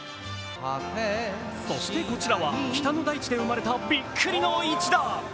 そしてこちらは北の大地で生まれたびっくりの一打。